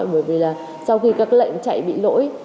bởi vì sau khi các lệnh chạy bị lỗi